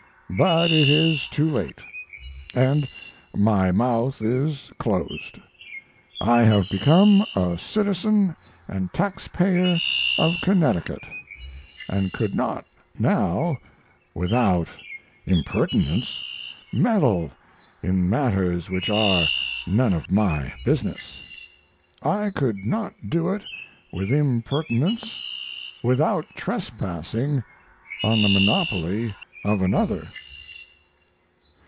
But it is too late, & my mouth is closed. I have become a citizen & taxpayer of Connecticut, & could not now, without impertinence, meddle in matters which are none of my business. I could not do it with impertinence without trespassing on the monopoly of another.